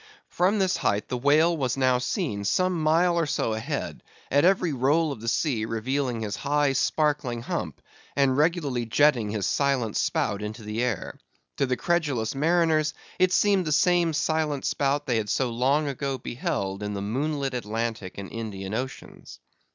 From this height the whale was now seen some mile or so ahead, at every roll of the sea revealing his high sparkling hump, and regularly jetting his silent spout into the air. To the credulous mariners it seemed the same silent spout they had so long ago beheld in the moonlit Atlantic and Indian Oceans.